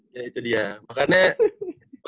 ya itu dia makanya